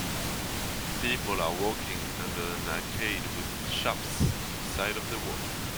people are walking under an arcade with shops to the side of the walk.